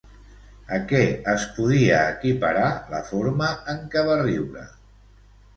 A què es podia equiparar la forma en què va riure?